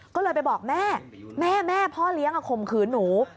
ก็เลยไปบอกแม่แม่แม่พ่อเลี้ยงข่มขืนหนู